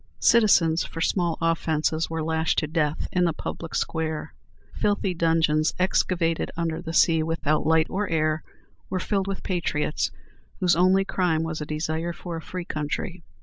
Citizens for small offences were lashed to death in the public square. Filthy dungeons, excavated under the sea, without light or air, were filled with patriots, whose only crime was a desire for a free country.